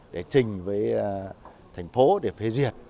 để trình với thành phố để phê duyệt